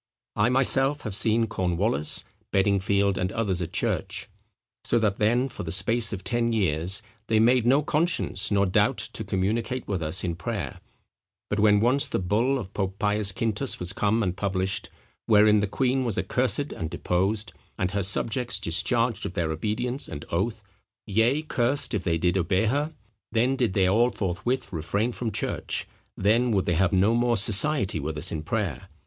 I myself have seen Cornewallis, Beddingfield, and others at church. So that then, for the space of ten years, they made no conscience nor doubt to communicate with us in prayer; but when once the bull of Pope Pius Quintus was come and published, wherein the queen was accursed and deposed, and her subjects discharged of their obedience and oath, yea, cursed if they did obey her: then did they all forthwith refrain from church, then would they have no more society with us in prayer.